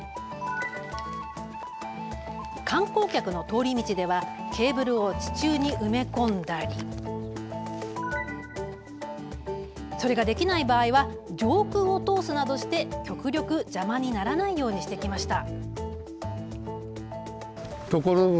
観光客の通り道ではケーブルを地中に埋め込んだりそれができない場合は上空を通すなどして極力、邪魔にならないようにしてきました。